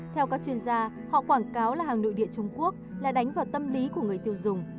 theo các chuyên gia họ quảng cáo là hàng nội địa trung quốc là đánh vào tâm lý của người tiêu dùng